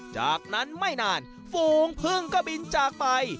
จากนั้นไม่นานฝูงพึ่งก็บินจากไป